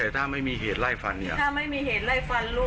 ถ้าไม่มีเหตุไล่ฟันลูกหนูไม่ตาย